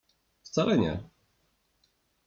Wcale nie.